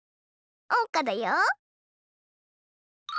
おうかだよ。